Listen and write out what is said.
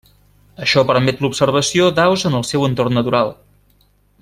Això permet l'observació d'aus en el seu entorn natural.